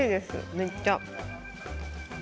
めっちゃ。